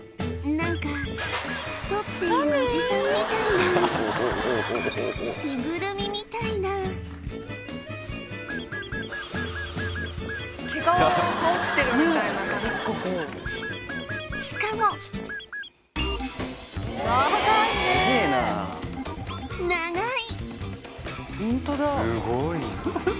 何か太っているおじさんみたいな着ぐるみみたいなしかも長い！